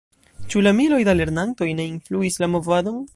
Ĉu la miloj da lernantoj ne influis la movadon?